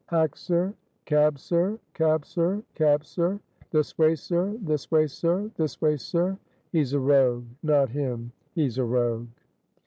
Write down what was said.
Hack, sir?" "Cab, sir? Cab, sir? Cab, sir?" "This way, sir! This way, sir! This way, sir!" "He's a rogue! Not him! he's a rogue!"